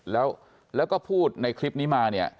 แล้วแล้วก็พูดในคลิปนี้มา